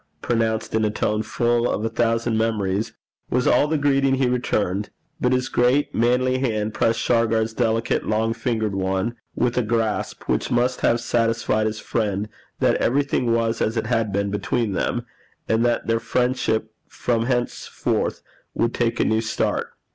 pronounced in a tone full of a thousand memories, was all the greeting he returned; but his great manly hand pressed Shargar's delicate long fingered one with a grasp which must have satisfied his friend that everything was as it had been between them, and that their friendship from henceforth would take a new start.